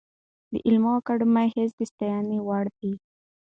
د علومو اکاډمۍ هڅې د ستاینې وړ دي.